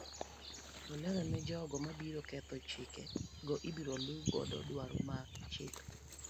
Olero ni jogo mabiro ketho chike go ibiro luu godo dwaro mar chik.